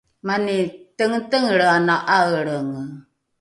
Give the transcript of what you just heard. mani tengetengelre anai ’aelrenge